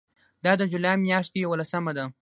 دا د جولای میاشتې یوولسمه ده.